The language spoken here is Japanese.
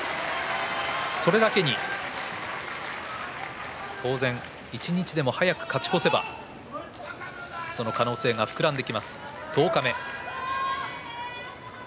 それだけに当然、一日でも早く勝ち越せばその可能性が膨らんできます十日目。